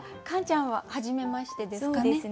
カンちゃんははじめましてですかね？